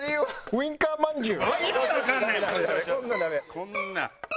こんな。